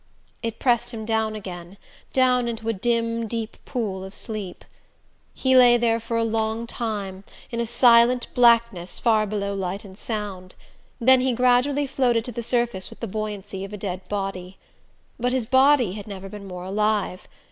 It pressed him down again: down into a dim deep pool of sleep. He lay there for a long time, in a silent blackness far below light and sound; then he gradually floated to the surface with the buoyancy of a dead body. But his body had never been more alive.